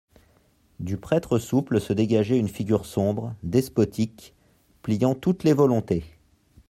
Du prêtre souple se dégageait une figure sombre, despotique, pliant toutes les volontés.